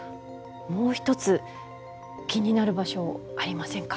もう一つ気になる場所ありませんか？